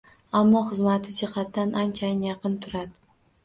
Ammo xizmati jihatidan anchayin yaqin turadi.